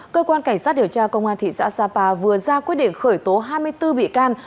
cơ quan cảnh sát điều tra công an thị xã sapa vừa ra quyết định khởi tố hai mươi bốn bị can